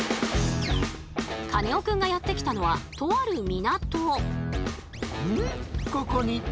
カネオくんがやって来たのはとある港。